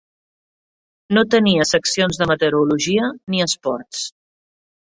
No tenia seccions de meteorologia ni esports.